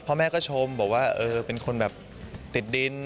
พ่อแม่ก็ชมบอกว่าเออเป็นคนแบบติดดิน